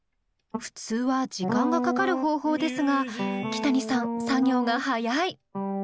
普通は時間がかかる方法ですがキタニさん作業が早い！